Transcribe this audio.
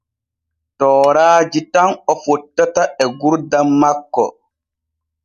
Tooraaji tan o fottata e gurdam makko.